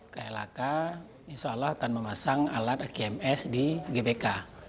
klhk insya allah akan memasang alat ikms di gbk